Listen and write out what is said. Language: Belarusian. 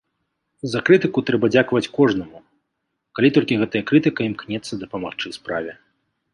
За крытыку трэба дзякаваць кожнаму, калі толькі гэтая крытыка імкнецца дапамагчы справе.